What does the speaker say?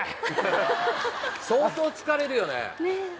相当疲れるよね